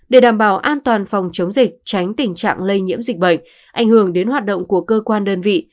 để đảm bảo an toàn phòng chống dịch tránh tình trạng lây nhiễm dịch bệnh ảnh hưởng đến hoạt động của cơ quan đơn vị